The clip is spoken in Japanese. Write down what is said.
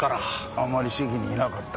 あんまり席にいなかった？